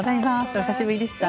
お久しぶりでした。